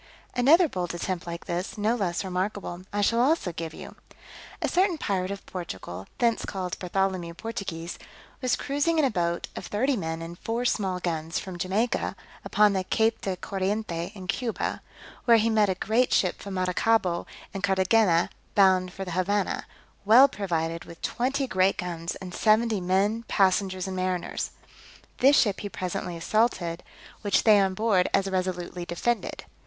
Another bold attempt like this, no less remarkable, I shall also give you. A certain pirate of Portugal, thence called Bartholomew Portugues, was cruising in a boat of thirty men and four small guns from Jamaica, upon the Cape de Corriente in Cuba, where he met a great ship from Maracaibo and Carthagena, bound for the Havannah, well provided with twenty great guns and seventy men, passengers and mariners; this ship he presently assaulted, which they on board as resolutely defended.